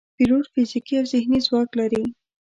پیلوټ فزیکي او ذهني ځواک لري.